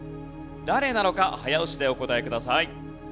誰なのか早押しでお答えください。